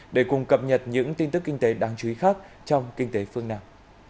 để cùng cập nhật những tin tức kinh tế đáng chú ý khác trong kinh tế phương nam